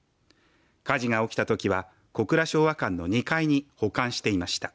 火事が起きたときは小倉昭和館の２階に保管していました。